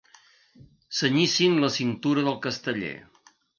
Cenyissin la cintura del casteller.